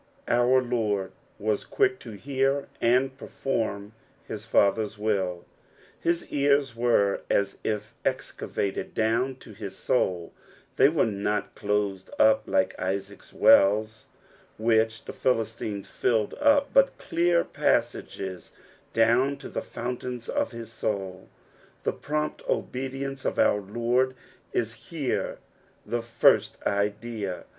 ''^ Our Lord was quick to hear and perform hia Father's will ; his ears were as if excavated down to hia soul ; they were not closed up like Isaac's wells, which the Philistines filled up, but clear passaKea down to the fountains of his soul. The prompt obedience of our Lord is here the first idea.